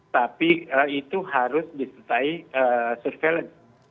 tapi itu harus disertai surveillance